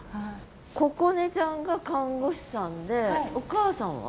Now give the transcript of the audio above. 心音ちゃんが看護師さんでお母さんは？